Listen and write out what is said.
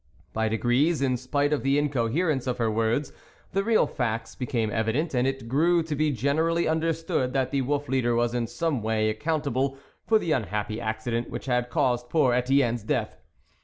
By degrees, in spite of the incoherence of her words, the real facts became evident, and it grew to be generally understood that the Wolf leader was in some way accountable for the unhappy accident which had caused poor Etienne's death.